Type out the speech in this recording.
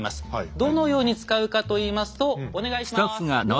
どのように使うかといいますとお願いします。